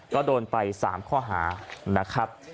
ก็โดนไป๓ข้อหานะครับ